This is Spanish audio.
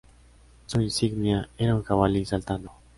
Su insignia era un jabalí saltando.